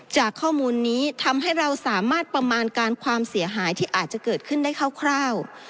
จากข้อมูลนี้ทำให้เราสามารถประมาณการความเสียหายที่อาจจะเกิดขึ้นได้คร่าว